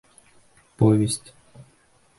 Повесть